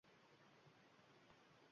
Marhamat, menga kadrlar bo’limini ulang.